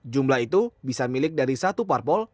jumlah itu bisa milik dari satu parpol